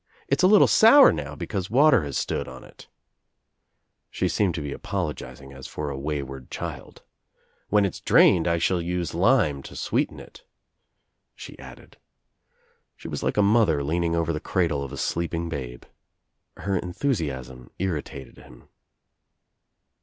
"It's a little sour now because water has stood on It." She tf OUT OP NOWHERE INTO NOTHING 209 seemed to be apologizing as for a wayward child. *'When it's drained I shall use lime to sweeten it," she added. She was like a mother leaning over the cradle of a sleeping babe. Her enthusiasm irritated him.